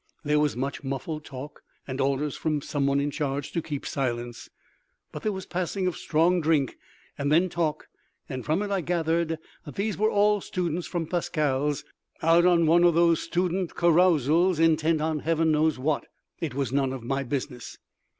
There was much muffled talk, and orders from some one in charge to keep silence. But there was passing of strong drink, and then talk, and from it I gathered that these were all students from Pascale's, out on one of those student carousals, intent on heaven knows what! It was none of my business.